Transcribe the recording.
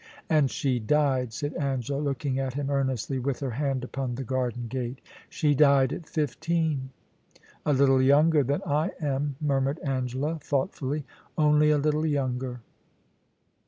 * And she died,' said Angela, looking at him earnestly, with her hand upon the garden gate. *She died at fifteen/ * A little younger than I am,' murmured Angela, thought fully —* only a little younger.